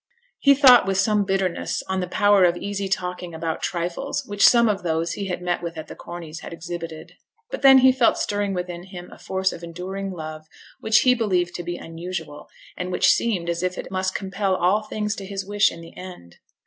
He thought with some bitterness on the power of easy talking about trifles which some of those he had met with at the Corneys' had exhibited. But then he felt stirring within him a force of enduring love which he believed to be unusual, and which seemed as if it must compel all things to his wish in the end.